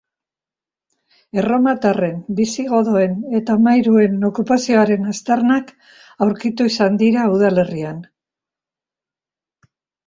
Erromatarren, bisigodoen eta mairuen okupazioaren aztarnak aurkitu izan dira udalerrian.